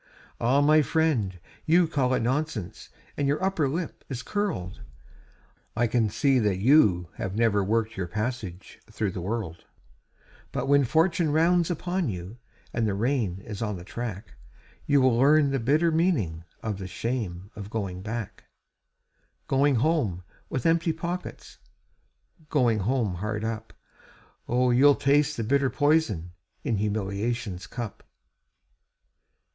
Ah! my friend, you call it nonsense, and your upper lip is curled, I can see that you have never worked your passage through the world; But when fortune rounds upon you and the rain is on the track, You will learn the bitter meaning of the shame of going back; Going home with empty pockets, Going home hard up; Oh, you'll taste the bitter poison in humiliation's cup.